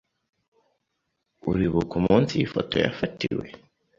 Uribuka umunsi iyi foto yafatiwe?